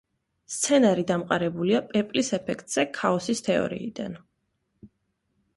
სცენარი დამყარებულია პეპლის ეფექტზე ქაოსის თეორიიდან.